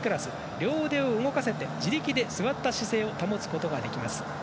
両腕を動かせて自力で座った姿勢を保つことができます。